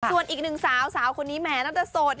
สู่อีกหนึ่งสาวสาวคนนี้แม้แต่โสด